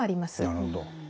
なるほど。